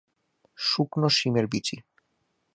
শুকনো শিমের বিচি।